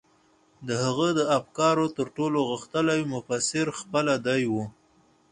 د هغه د افکارو تر ټولو غښتلی مفسر خپله دی و.